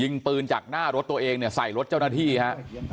ยิงปืนจากหน้ารถตัวเองเนี่ยใส่รถเจ้าหน้าที่ฮะ